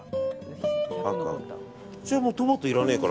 じゃあもうトマトいらねえか。